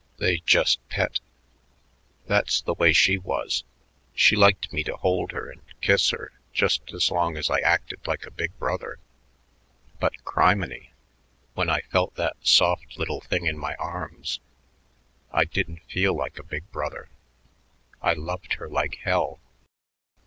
"They just pet." "That's the way she was. She liked me to hold her and kiss her just as long as I acted like a big brother, but, criminy, when I felt that soft little thing in my arms, I didn't feel like a big brother; I loved her like hell....